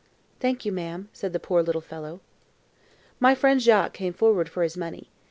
"Thank you, ma'am," said the poor little fellow. My friend Jacques came forward for his money.